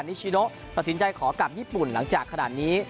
นิชโน่ประสินใจขอกลับญี่ปุ่นน่าจะขายนี้